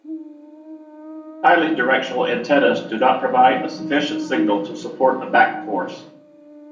Highly directional antennas do not provide a sufficient signal to support a back course.